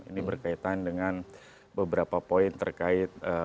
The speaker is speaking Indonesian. ini berkaitan dengan beberapa poin terkait